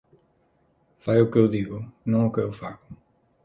Fai o que eu digo, non o que eu fago.